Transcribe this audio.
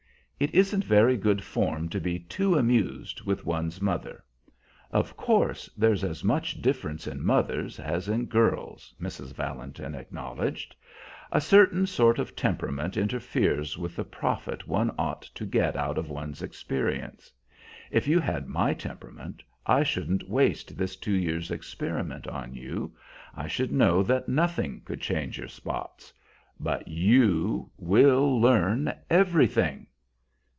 It isn't very good form to be too amused with one's mother. Of course there's as much difference in mothers as in girls," Mrs. Valentin acknowledged. "A certain sort of temperament interferes with the profit one ought to get out of one's experience. If you had my temperament I shouldn't waste this two years' experiment on you; I should know that nothing could change your spots. But you will learn everything.